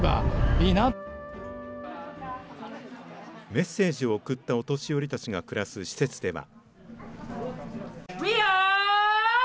メッセージを送ったお年寄りたちが暮らす施設では。